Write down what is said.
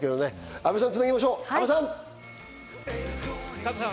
阿部さんにつなぎましょう、阿部さん。